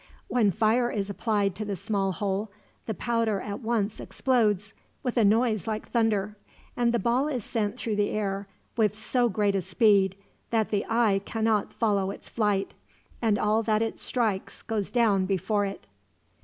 Then fire is applied to the small hole, the powder at once explodes with a noise like thunder, and the ball is sent through the air with so great a speed that the eye cannot follow its flight, and all that it strikes goes down before it."